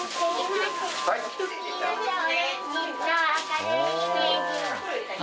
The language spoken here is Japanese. すみません